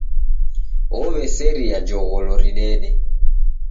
Ow'eseria jogholo ridede.